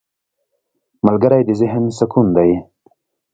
ملګری د ذهن سکون دی